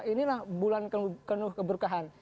inilah bulan penuh keberkahan